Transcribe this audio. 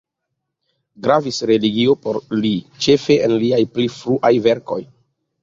Gravis religio por li, ĉefe en liaj pli fruaj verkoj.